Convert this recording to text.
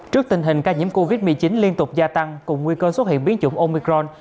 trước tình hình ca nhiễm covid một mươi chín liên tục gia tăng cùng nguy cơ xuất hiện biến chủng omicron